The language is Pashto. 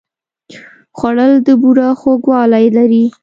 خوړل د بوره خوږوالی لري